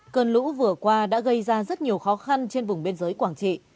cơn lũ vừa qua đã gây ra rất nhiều khó khăn trên vùng biên giới quảng trị